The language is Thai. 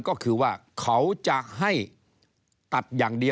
ก็จะมาจับทำเป็นพรบงบประมาณ